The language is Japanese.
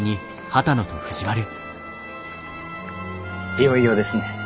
いよいよですね。